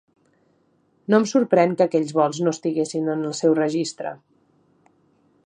No em sorprèn que aquells vols no estiguessin en el seu registre.